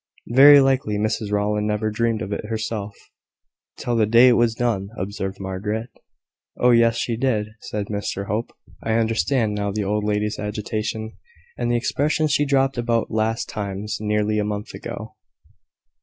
"Very likely Mrs Rowland never dreamed of it herself; till the day it was done," observed Margaret. "Oh, yes, she did," said Mr Hope. "I understand now the old lady's agitation, and the expressions she dropped about `last times' nearly a month ago."